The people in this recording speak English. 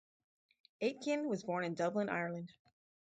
Aitken was born in Dublin, Ireland.